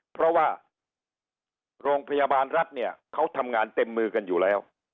เพราะว่าโรงพยาบาลรัฐเนี่ยเขาทำงานเต็มมือกันอยู่แล้ว